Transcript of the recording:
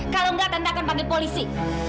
kalau nggak tante akan panggil polisi